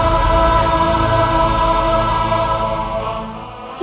ibu nda tunggu